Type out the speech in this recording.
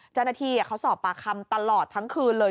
เจ้าหน้าที่เขาสอบปากคำตลอดทั้งคืนเลย